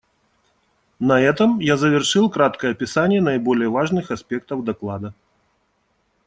На этом я завершил краткое описание наиболее важных аспектов доклада.